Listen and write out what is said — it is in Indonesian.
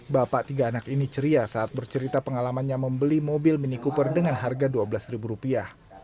bapak tiga anak ini ceria saat bercerita pengalamannya membeli mobil mini cooper dengan harga dua belas ribu rupiah